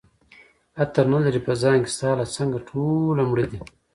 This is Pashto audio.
عطر نه لري په ځان کي ستا له څنګه ټوله مړه دي